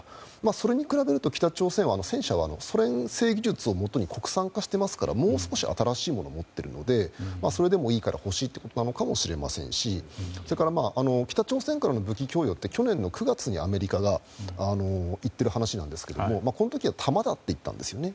それに比べると北朝鮮は戦車がソ連製技術をもとに国産化していますからもう少し新しいものを持っているのでそうれでもいいから欲しいということかもしれませんしそれから北朝鮮からの武器供与って去年の９月にアメリカが言っている話なんですがこの時は弾だと言ったんですね。